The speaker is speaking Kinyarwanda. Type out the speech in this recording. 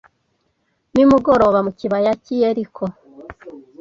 nimugoroba mu kibaya cy i Yeriko